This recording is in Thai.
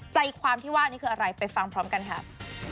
ใจความที่ว่านี่คืออะไรไปฟังพร้อมกันค่ะ